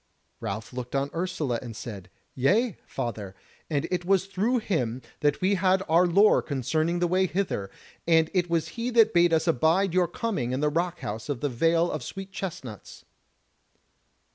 Ralph looked on Ursula and said: "Yea, father, and it was through him that we had our lore concerning the way hither; and it was he that bade us abide your coming in the rock house of the Vale of Sweet chestnuts."